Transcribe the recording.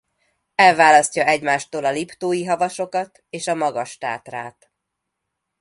Elválasztja egymástól a Liptói-havasokat és a Magas-Tátrát.